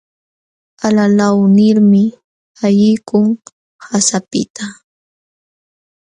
Alalaw nilmi ayqikun qasapiqta.